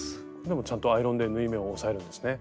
ちゃんとアイロンで縫い目を押さえるんですね。